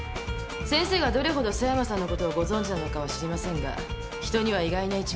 先生がどれほど狭山さんのことをご存じなのかは知りませんが人には意外な一面もあるんですよ。